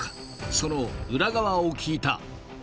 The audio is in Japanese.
その裏側を聞いた。